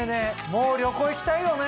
もう旅行行きたいよね。